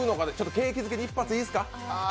景気づけに一発いいですか？